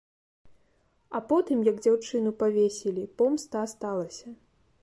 А потым, як дзяўчыну павесілі, помста асталася.